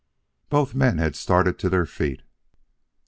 Both men had started to their feet.